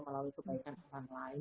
melalui kebaikan orang lain